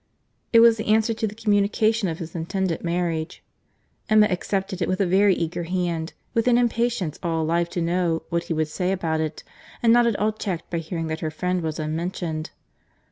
It was the answer to the communication of his intended marriage. Emma accepted it with a very eager hand, with an impatience all alive to know what he would say about it, and not at all checked by hearing that her friend was unmentioned.